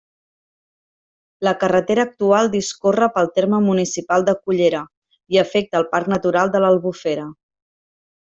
La carretera actual discorre pel terme municipal de Cullera, i afecta el Parc Natural de l'Albufera.